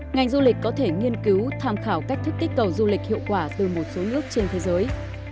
ngành du lịch có thể nghiên cứu tham khảo cách thức kích cầu du lịch hiệu quả từ một số nước trên thế giới